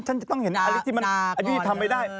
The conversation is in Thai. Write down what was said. ฉันจะต้องเห็นอาริสิมันอันนี้ทำไม่ได้